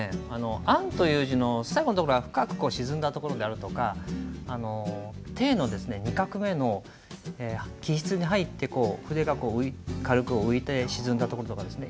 「安」という字の最後のところが深く沈んだところであるとか「定」の２画目の起筆に入って筆が軽く浮いて沈んだところとかですね